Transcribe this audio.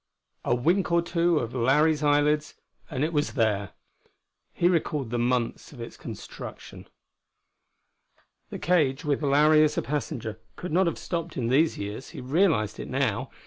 A wink or two of Larry's eyelids and it was there. He recalled the months of its construction. The cage, with Larry as a passenger, could not have stopped in these years: he realized it, now.